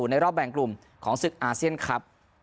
ในรอบแบ่งกลุ่มของศึกอาเซียนครับ